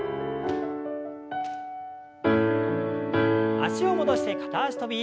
脚を戻して片脚跳び。